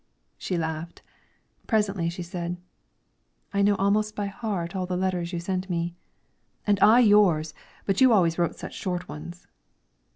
She laughed. Presently she said, "I know almost by heart all the letters you sent me." "And I yours! But you always wrote such short ones."